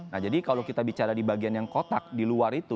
nah jadi kalau kita bicara di bagian yang kotak di luar itu